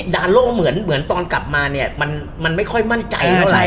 ดาโล่เหมือนตอนกลับมาเนี่ยมันไม่ค่อยมั่นใจว่าใช่